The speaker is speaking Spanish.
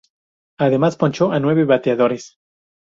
Además ponchó a nueve bateadores.